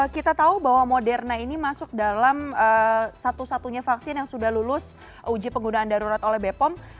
kita tahu bahwa moderna ini masuk dalam satu satunya vaksin yang sudah lulus uji penggunaan darurat oleh bepom